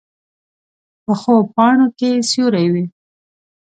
پخو پاڼو کې سیوری وي